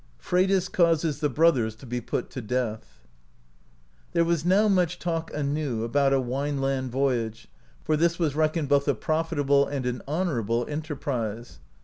]?RBYDIS CAUSES THE BROTHERS TO BE PUT TO DEATH. There was now much talk anew, about a Wineland voyage, for this was reckoned both a profitable and an honourable enterprise.